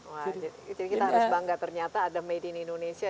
jadi kita harus bangga ternyata ada made in indonesia